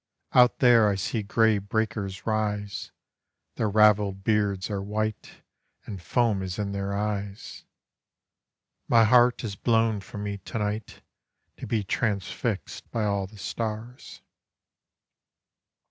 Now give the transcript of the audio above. Out there I see grey breakers rise, Their ravelled beards are white, And foam is in their eyes. My heart is blown from me to night To be transfixed by all the stars.